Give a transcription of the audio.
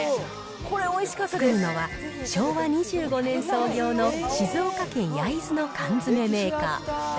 作るのは、昭和２５年創業の静岡県焼津の缶詰メーカー。